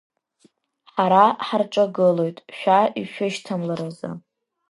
Ҳара ҳарҿагылот, шәа ишәышьҭамларазы.